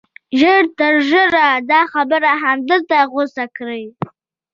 ژر تر ژره دا خبره همدلته غوڅه کړئ